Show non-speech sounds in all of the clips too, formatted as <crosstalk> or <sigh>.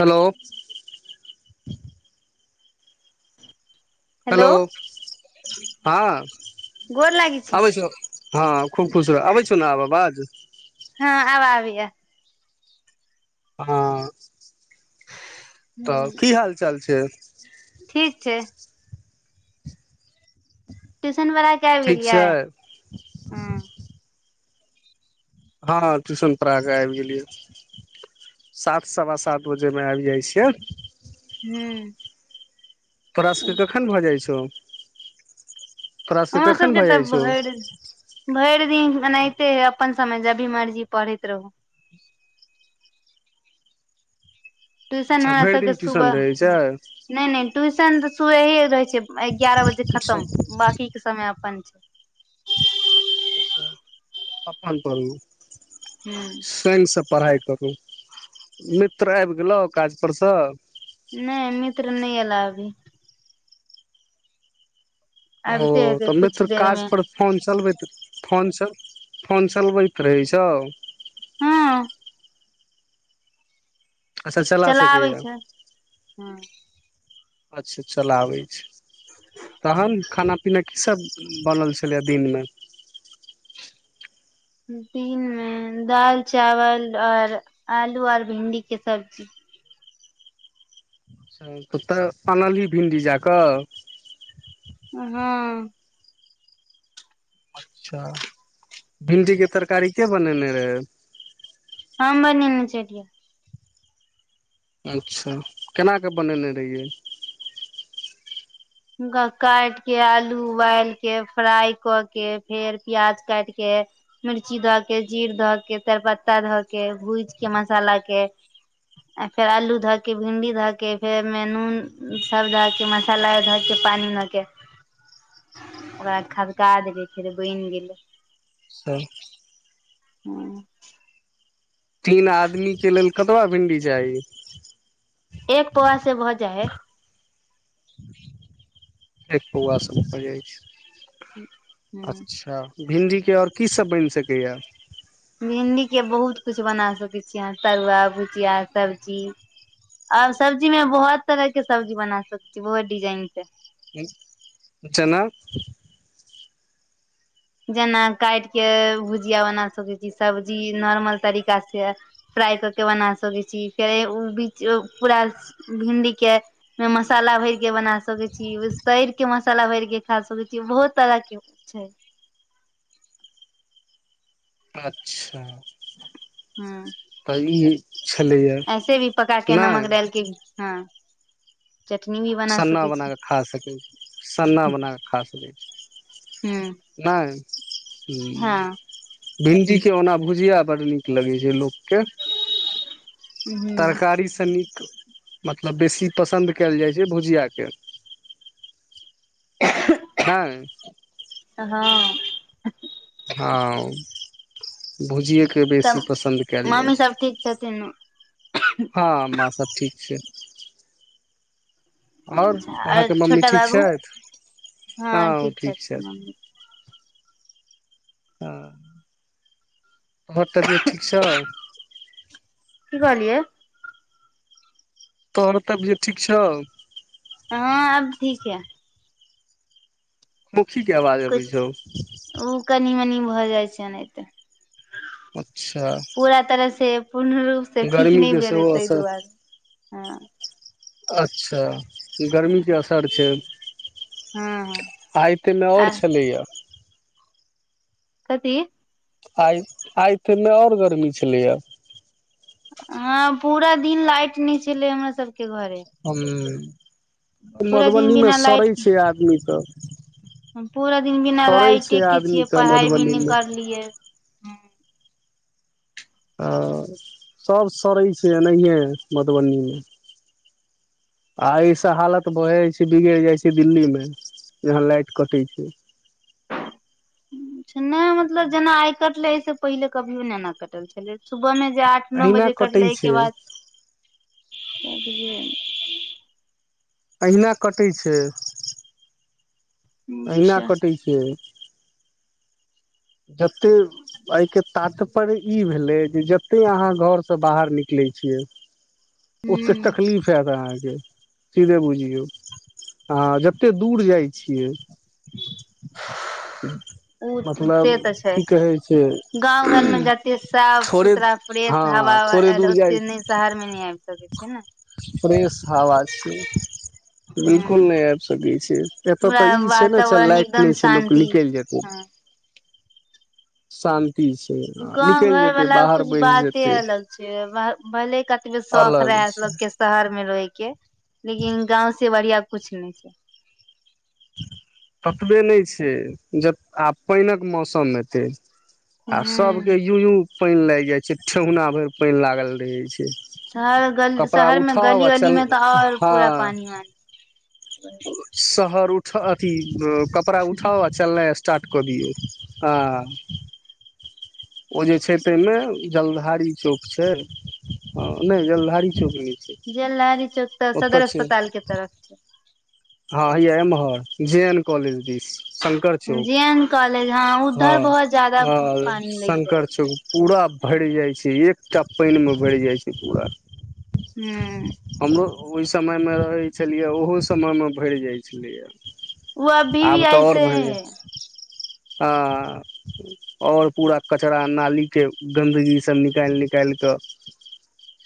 Hello hello हां गोर लागै छी आबैछीइऔ हँअ् खूब खुश रह आबैइछौ ने आब आवाज हँअ् आब आबैय हां तऽ हूँ की हाल चाल छैइ ठीक छै शन पढ़ा के आबि ठीक गेलियै छै हं हँ ट्यूशन पढ़ा कऽ आबि गेलियै सात सवा सात बजे में आबि जाइ छियै हूंअ् तोरासके कखन भऽ जाइ छौ तोरा हमरा कखन सबके भऽ तऽ जाइ छौ भरि भरि दिन एनाहिते है अपन समय जभी मर्जी पढ़ैत रहू ट्यूशन अच्छा हमरा भरि सबके दिन सुबह ट्यूशन रहै हं छै नई नई ट्यूशन सुबेहे रहैइ छैइ एगारह बजे खतम बाकी के समय अपन <inaudible> अच्छा अपन पँदु हूंअ् पढ़ाई करू मित्र आबि गेलौ काज परसँ नहि मित्र नहि एला अभी ओ आबिते हेतै तऽ कुछ मित्र देर काज मे पर फोन चलबैत फोन सब फोन चलबैत रहै छौ हँ अच्छा चला चलाबै सकैया छै हँ अच्छा चलाबै छै तहन खाना-पीना कीसभ बनल छलै दिनमे दिनमे दालि चावल आओर आलू आओर भिंडीके सब्जी तऽ तैं अनलही भिंडी जा कऽ हँ अच्छा भिंडीके तरकारी के बनेने रहए हम बनेने छलियै अच्छा केनि कऽ बनेने रहियै हुनका काटिके आलू उबालिके फ्राई कऽ के फेर प्याज काटिके मिर्ची धऽ के जीर धऽ के तैरपत्ता धऽ के भूजिके मशालाकेँ आ फेर आलू धऽ के भिंडी ध के फेर ओहिमे नून सब धऽ के मशाला आओर धऽ के पानीमे के ओकरा खदका देबय फेर बनि गेलै सही हँ तीन आदमी के लेल कतबा भिंडी चाही एक पौआसँ भऽ जाइ हैय एक पौआ सँ भऽ जाइत छै ह अच्छा भिंडी के आओर की सभ बनि सकैए भिंडीके बहुत किछु बना सकैत छियै अहाँ तरुआ भुजिया सब्जी आओर सब्जीमे बहुत तरहके सब्जी बना सकैत छी बहुत डिजाइनके जेना जेना काटिके भुजिया बना सकैत छी सब्जी नॉर्मल तरीकासँ फ्राइ कऽ के बना सकैत छी फेर उ बिचे पूरा भिंडीके ओहिमे मशाला भरिके बना सकैत छी तैरके मशाला भरिके खा सकैत छी बहुत तरहके छै अच्छा हुँ हुँ हुँ ऐसे भी पकाके नमक डालिके भी हँ चटनी भी बना सन्ना सकै बना छी कऽ खा सकैत छी सन्ना बना कऽ खा सकैत हूँ छी नहि हूँ हँ भिंडीकेँ ओना भुजिया बड्ड नीक लगै छै लोककेँ हूँ तरकारीसँ नीक मतलब बेसी पसन्द कयल जाइ छै भुजियाके नहि हँ हँ भुजिएके तऽ बेसी पसन्द कयल जाइ मम्मी सब ठीक छै छथिन हँ माँ सब ठीक छै आओर अच्छा आओर अहाँके मम्मी छोटा ठीक बाबू छथि हँ ओ ठीक छथि हँ तोहर तबियत ठीक छौ की कहलियै तोहर तबियत ठीक छौ हँ अआब ठीक अए मौखी के आवाज अबै छौ किछु ओ कनी-मनी भऽ जाइ छै एनाहिते अच्छा पूरा तरहसँ पूर्ण रूपसँ ठीक गर्मी नहि के भेलै सेहो ताहि असर दुआरे हँ अच्छा गर्मी के असर छै हँ आ ताई मे आ आओर छलैया कथी आइ आइ तय मे आओर गर्मी छलैए ह पूरा दिन लाइट नहि छलै हमरा सबके घरे ह पूरा दिन मधुबनीमे बिना सड़ै लाइट छै आदमी तऽ पूरा दिन बिना लाइटे के आदमी छियै पढ़ाई भी मधुबनी नहि मे करलियै आ सभ सड़ै छै एनाहिए मधुबनीमे आ ईस हालत बहे छै बिगड़ जाइ छै दिल्ली मे जहाँ लाइट कटैत छै नहि मतलब जेना कटले से पहिले कभियो एना कटल छलै सुबह मे आठ नओ अहिना बजे कटै करले छै आई बाद अहिना कटै छै अहिना अच्छा कटै छियै जते आई के तात्पर्य ई भेलै जे जते अहाँ घर से बाहर निकले वो ते ह तकलीफ हेयत सीधे बुझियौ आ जते दूर जाइ छियै ह्म ओ से तऽ छै गाँंव घर में जते साफ थोड़े सुथरा फ्रेश हँ हवा थोड़े ल दूर जाइ ओते नहि शहर मे नहि आबि सकै छै ने फ्रेश हवा छै बिलकुल ह नहि आबि सकैत छै एतय पूरा तऽ ई छै ने च वातावरण लाइट एकदम नहि छै लोक शान्ति निकलि जे तय हँ शान्त गाँंव घर वाला कुछ बैस बाते जेतै अलग छै भले कतबे शौख अलग रहां छै शहर मे रहैके लेकिन गाँव से बढ़िआ कुछ नय छै ततबे नहि छै ज आब पानिक मौसम हेतै आ ह सबके युयु पानि लागि जाय छै ठेहुना भरि पानि लागल रहे छै शहर गल कपड़ा शहर में उठाउ गली आ गली चल में तऽ और हँ पूरा पानी वानी शहर उठ अथी कपड़ा उठाओ आ चलनाइ स्टार्ट कऽ दियऔ आ ओ जे छै तामे जलधारी चौक छै नहि जलधारी चौक नहि छै जलधारी चौक तऽ ओतऽ सदर छै अस्पताल के तरफ छै हँ एमहर जे एन कॉलेज दिस शंकर छै चौक जे एन कॉलेज हँ उधर बहुत ज्यादा ह पानी लैग जाइ शंकर चौक पूरा भरि जाय छै एकटा पानि मे भरि जाय छै पूरा हू हमरो ओहि समयमे रहै छलैए ओहो समयमे भरि जाइ छलैए ओ अभी भी ऐसे हैै ह ओर पूरा कचरा नाली के गन्दगी सब निकाइल निकाइल तऽ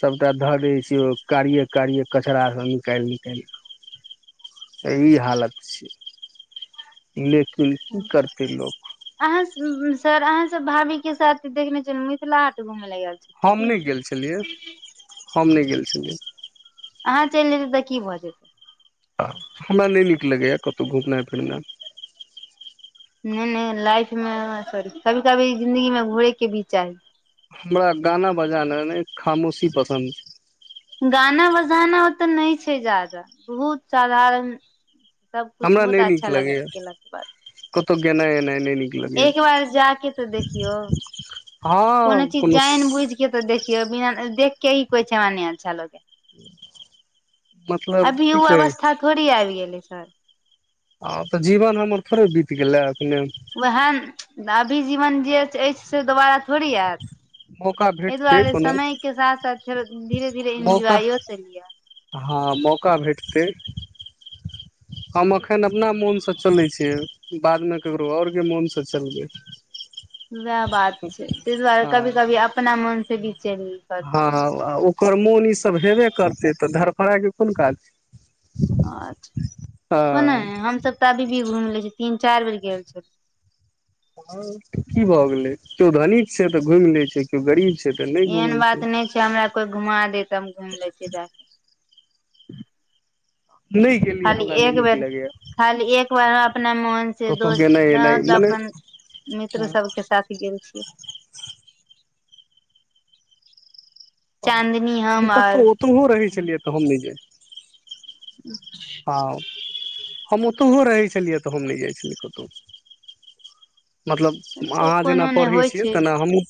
सभटा धऽ दै छैिय ओ कारिए कारिए कचड़ासँ निकालि निकालि कऽ एहि ई हालत छिय लेक की करतै लोक अहाँ सर आहाँ सब भाभी के साथ देखने छलु मिथिला हाट घुमे लऽ छै हम की नहि गेल छलियै हम नहि गेल छलियै अहाँ चलि जेतै तऽ की भऽ जेतै आ हमरा नहि नीक लगैए कतहु घुमनाइ फिरनाइ नहि नहि लाइफ मे सॉरी कभी कभी जिंन्दगी मे घोरे के भी चाही हमरा गाना बजाना नहि खामोशी पसन्द छै गाना बजाना ओतऽ नहि छै ज्यादा बहुत साधारण छै। हमरा सबकुछु बहुत अच्छा लगत गेला के बाद तऽ गेनाइ ऐनाइ नइ निक एक बार जा के तऽ देखियौ कोनो चीज जानि बुझ के तऽ देखिय बिना देखकेे ईी कहै छै मने अच्छा लगे मतलब अभी की ओ कहै अवस्था थोड़ी आबि गेलै सर ह तऽ जीवन हमर थोड़े बीत गेलै अखने ओएहन अभी जीवन जे अछि से दोबारा थोड़ी आयत मौका एहि भेटतै दुआरे कोनो समय के साथ साथ फेर धीरे धीरे मौका एन्जॉइो केलियै हँ मौका भेटतै हम अखन अपना मोन से चले छिय बादमे ककरो आओर के मोन से वएह बात छैय ताहि दुआरे हँ कभी कभी अपना मन से भी चलि करू हँ ह आ ओकर मोन ईसभ हेबे करतै तऽ धरफड़ाके कोन काज छैय। अच्छा को हँ नहि हमस तऽ अभी भी घुम ले छी। तीन चारि बेर गेल छल। ह की भए गेले केओ धनित छै तऽ घुमि ले छै केओ गरीब छै तऽ नहि एहन घुमै बात नहि छै हमरा कोइ घुमा दे तऽ हम घुमि लै छियै जा कऽ <inaudible> नहि गेलियै खाली हमरा नहि एक नीक बेर लगैया खाली एक अपना मोन से कतहु गेनाइ एनाइ दोस्त मने अपन मित्र सब के साथ गेल छीयै चाँदनी हु हम क आर तो ओतहो रहै छलियै तऽ हमजे हँ हम ओतहु रहै छलियै तऽ हम नहि जाइ छलियै कतहु मतलब अच्छा अहाँ जेना कोनो नहि पढ़ै होइ छियै छै तेना हमहूँ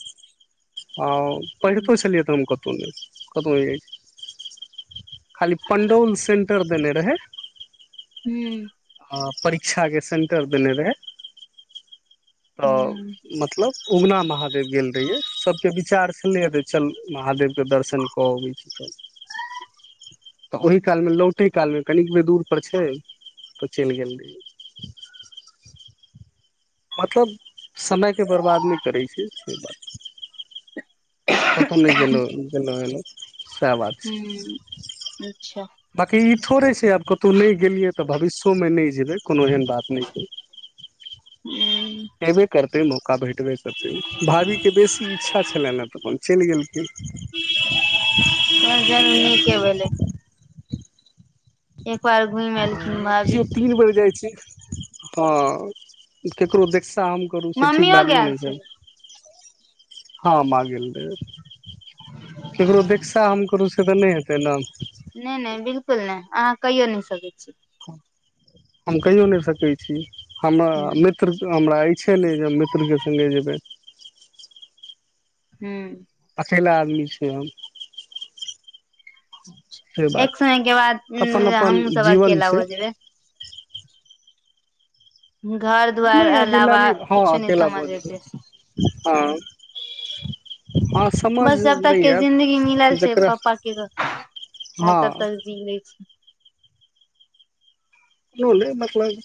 हँ ह्म पढ़ितो छलियै तऽ हम कतहुँ नहि कतहु नै जाय खाली पण्डौल सेन्टर देने रहय आ परीक्षाके सेंटर दैनै रहै तऽ ह्म मतलब उगना महादेव गेल रहियै सभके विचार लियै तऽ चल महादेवके दर्शन कऽ अबै छी तब तऽ ओहि कालमे लौटे कालमे कनिक बेर दूर पर छै त चल गेल रहीयै मतलब समयके बर्बाद नहि करै छै से बात कतो नहि ग नहि गेलो गेलो एलो। ह अच्छा बाँकी ई थोड़े छैय आब कतहु नहि गेलियै तऽ भविष्यमे नहि जेबै कोनो एहन बात नहि छैय। ह्म अयबे करतै मौका भेटबे करतै भाभीके बेसी इच्छा छलनि हँ तऽ अपन चलि गेल सर जन नीके भेलै। एक बार घुमि एलखिन भाभी हँ तीन बेर जाइ छैय। हँ केकरो देख काम करू से ठीक मम्मियो बात नहि गेल ने छैय, छलै हँ गेल रह ककरो हँ देखसा हम करू से तऽ नहि हेतै ने। नहि नहि बिलकुल नहि अहाँ कहियो नहि सकैत छी। हम कहियो नहि सकैत छी हमरा ह्म मित्र हमरा अछि। छले जे हम मित्रके सङ्गे जेबै। हू अकेला आदमी छी हम। से एक बात समय के बाद अपन अपन हमूँ सब जीवन अकेला छै हो जेबै। घर दुवार नहि अकेला अलावा नहि हँ कुछो नहि अकेला समझ भऽ जेबै एतय। हँ हँ समझ बस जब तक नहि के आयत जिंदगी मिलल छैय जकरा पापा के नहि तब हँ तक जी लै छी। नू नहि मतलब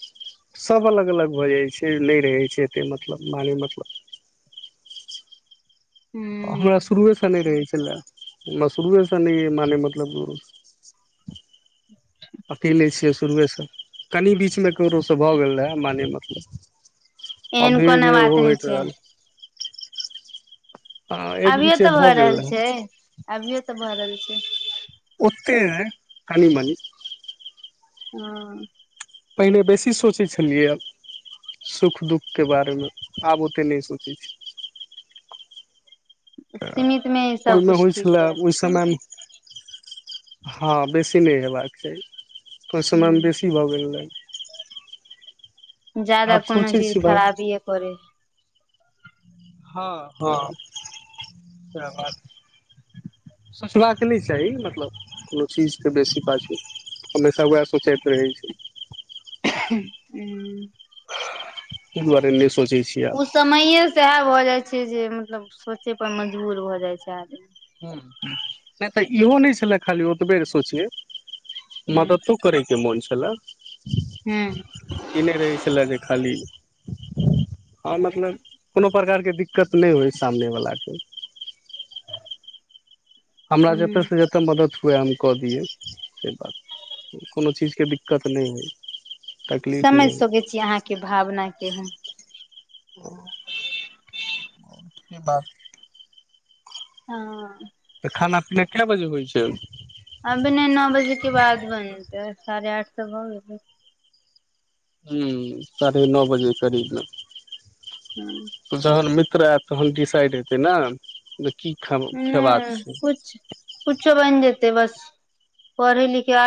सभ अलग अलग भऽ जाइ छैय नहि रहै छैय एतेक मतलब माने मतलब। हमरा हूँ शुरुएसँ नहि रहै छी। म सुरूएसँ नहि मानै मतलब अकेले छियै शुरुएसँ कनि बीचमे ककरोसँ भऽ गेल रहए माने मतलब। एहन आब धीरे कोनो धीरे बात ओहो नहि होइत छै रहल। आ एक अभियो बीचे तऽ भऽ गेल रहल रहए छैय, अभियो तऽ भऽ रहल छैय। ओतेक नै कनि मनि। हँ पहिने बेसी सोचै छलियैए। सुख दुखके बारेमे आब ओतेक नहि सोचै छी। सीमित मे ही तऽ ओहिमे सबकुछ होइ ठीक छलै रहे ओहि समय में हँ बेसी नहि हेबाक चाही कोई सामान हूँ बेसी भऽ गेलै जादा आब कोनो सोचै चीज छी भाय खराबीए करै हई हँ हँ सेह बात सोचबाक नहि चाही मतलब कोनो चीजके बेसी पाछू ओमेश उएह सोचैत रहै छैय। हूँ ते दुआरे नै सोच ओ समैए सँएह भऽ जाइत छैय जे मतलब सोचे पर मजबूर भऽ जाइत छैय आदमी। ह्म ह नहि तऽ इहो नहि छलए खाली ओतबेर सोचिये। हूँ मददो करैके मोन छलए। हूँ ई नहि रहै छलय जे खाली हँ मतलब कोनो प्रकारके दिक्कत नहि होय सामने वलाके। हमरा जतय हूँ से जते मदद हुये हम कऽ दियै से बात कोनो चीजके दिक्कत नहि होइ। तकलीफ समझ नहि होइ सकै छी अहाँके भावना के हम। ह से बात हँ तऽ खाना पीना कए बजे होइ छैय? अभी नहि नओ बजे के बाद बनते साढ़े आठ त भऽ गेलै। ह साढ़े नओ बजे करीब ने ह त जहन मित्र मित्र ऐत तहन डिसाइड हेते ने की खेबाक नहि छै कुछ कुछो बनि जेतै बस पढ़े लिखे